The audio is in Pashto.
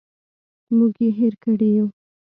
موږ یې هېر کړي یوو.